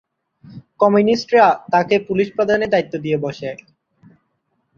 কমিউনিস্টরা তাকে পুলিশ প্রধানের দায়িত্ব দিয়ে বসে।